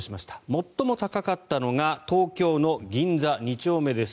最も高かったのが東京の銀座２丁目です。